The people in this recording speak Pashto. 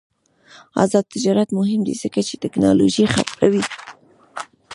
آزاد تجارت مهم دی ځکه چې تکنالوژي خپروي.